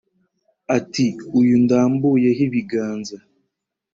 ati: “uyu ndambuyeho ibiganza,